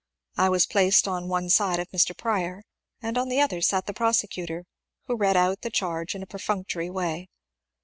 I was placed on one side of Mr. Prior and on the other sat the prosecutor, who read out the charge in a perfunctory way.